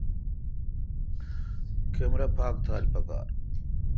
کمرا پاک تھال پکار۔